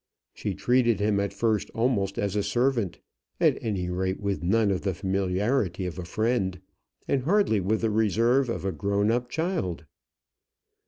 She treated him at first almost as a servant, at any rate with none of the familiarity of a friend, and hardly with the reserve of a grown up child.